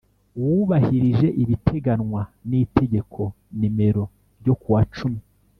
Wubahirije ibiteganwa n Itegeko nimero ryo kuwa cumi